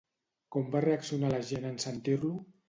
Com va reaccionar la gent en sentir-lo?